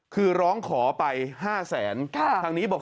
คือร้องขอไป๕แสนทางนี้บอก